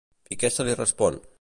I què se li respon?